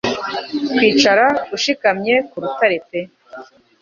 Kwicara ushikamye ku rutare pe